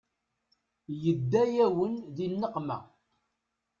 Yedda-yawen di nneqma.